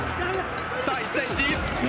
さあ１対１。